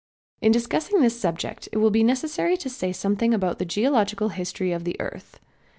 In discussing this subject it will be necessary to say something about the geological history of the earth.